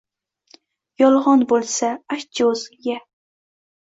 Yolg’on bo’lsa ayt-chn o’zimga!